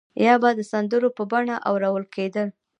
یا به د سندرو په بڼه اورول کېدل.